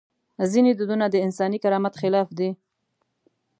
ځینې دودونه د انساني کرامت خلاف دي.